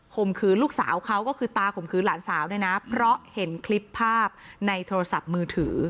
มขืนลูกสาวเขาก็คือตาข่มขืนหลานสาวด้วยนะเพราะเห็นคลิปภาพในโทรศัพท์มือถือ